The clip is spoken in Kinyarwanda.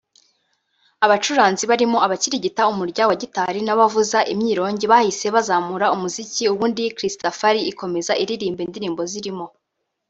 Abacuranzi barimo abakirigita umurya wa gitari n’abavuza imyirongi bahise bazamura umuziki ubundi Chritsafari ikomeza iririmba indirimbo zirimo